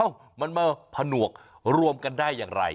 มันมาผนวกรวมกันได้อย่างไร